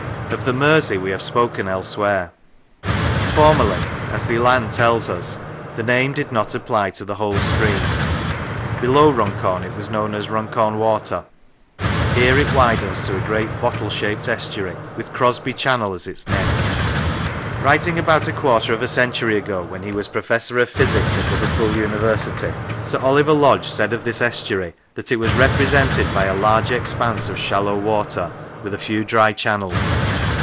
Of the Mersey we have spoken elsewhere; formerly, as Leland tells us, the name did not apply to the whole stream; below Runcorn it was known as Runcorn Water; here it widens to a great bottle shaped estuary, with Crosby Channel as its neck. Writing about a quarter of a century ago, when he was Professor of Physics at Liverpool University, Sir Oliver Lodge said of this estuary that it was " repre sented by a large expanse of shallow water, with a few dry channels.